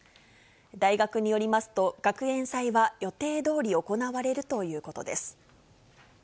大学によりますと、学園祭は予定どおり行われるということです。